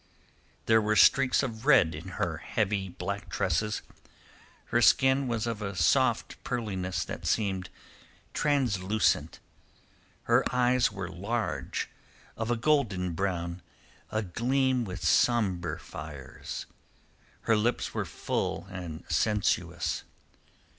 There were streaks of red in her heavy black tresses, her skin was of a soft pearliness that seemed translucent, her eyes were large, of a golden brown, agleam with sombre fires, her lips were full and sensuous.